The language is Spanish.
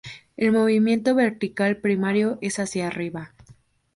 El movimiento vertical primario es hacia arriba.